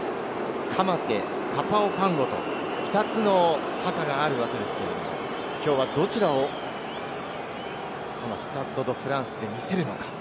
カ・マテ、カパ・オ・パンゴと２つのハカがあるわけですけれども、きょうはどちらを、このスタッド・ド・フランスで見せるのか。